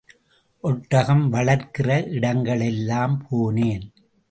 ஒட்டகம் வளர்க்கிற இடங்களுக்கெல்லாம் போனேன்.